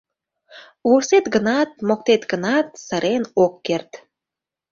Вурсет гынат, моктет гынат, сырен ок керт.